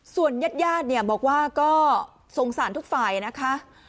ส่วนญาติบอกว่าก็สงสารทุกฝ่ายนะคะ